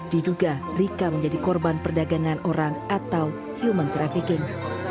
diduga rika menjadi korban perdagangan orang atau human trafficking